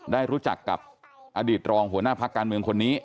ได้รู้จักกับอดีตรองหัวหน้าพักการเมืองคนนี้